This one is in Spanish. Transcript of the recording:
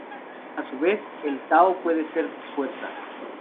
A su vez, el tao puede ser fuerza.